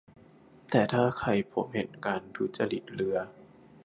แต่ถ้าใครพบเห็นการทุจริตเลือ